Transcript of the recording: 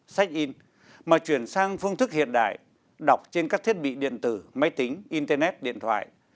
sách in mà chuyển sang phương thức hiện đại đọc trên các thiết bị điện tử máy tính internet điện thoại